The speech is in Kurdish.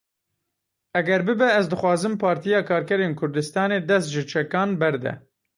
Eger bibe ez dixwazim Partiya Karkerên Kurdistanê dest ji çekan berde.